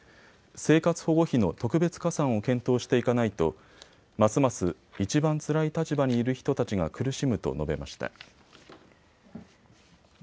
生活保護費の特別加算を検討していかないとますますいちばんつらい立場にいる人たちが苦しむと述べました。